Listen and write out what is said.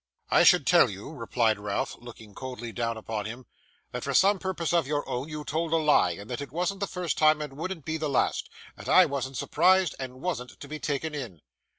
'I should tell you,' replied Ralph, looking coldly down upon him, 'that for some purpose of your own you told a lie, and that it wasn't the first time and wouldn't be the last; that I wasn't surprised and wasn't to be taken in.